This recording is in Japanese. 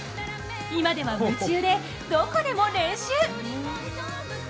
今では夢中で、どこでも練習。